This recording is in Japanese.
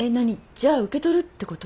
じゃあ受け取るってこと？